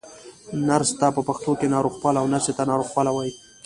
نرس ته په پښتو کې ناروغپال، او نرسې ته ناروغپاله وايي.